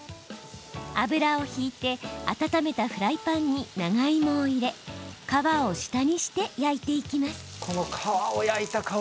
油を引いて温めたフライパンに長芋を入れ皮を下にして焼いていきます。